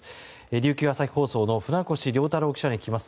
琉球朝日放送の船越遼太郎記者に聞きます。